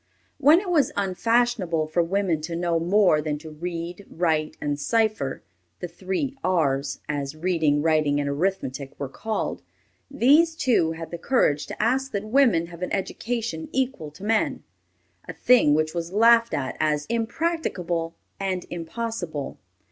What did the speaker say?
When it was unfashionable for women to know more than to read, write, and cipher (the "three R's," as reading, writing, and arithmetic were called), these two had the courage to ask that women have an education equal to men, a thing which was laughed at as impracticable and impossible.